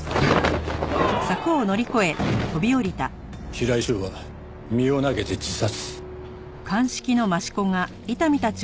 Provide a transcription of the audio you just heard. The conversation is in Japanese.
平井翔は身を投げて自殺。